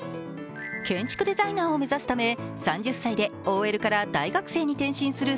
建築デザイナーを目指すため３０歳で社会人から大学生に変身する姿。